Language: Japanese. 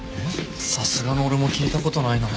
さすがの俺も聞いたことないな。